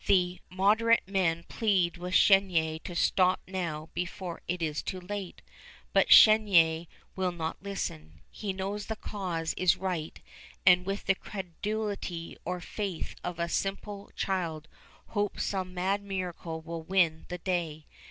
The moderate men plead with Chenier to stop now before it is too late; but Chenier will not listen. He knows the cause is right, and with the credulity or faith of a simple child hopes some mad miracle will win the day.